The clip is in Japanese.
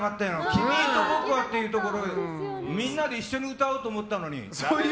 「君と僕は」っていうところみんなで一緒に歌おうと思ったのに。